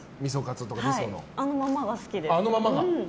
あのままが好きです。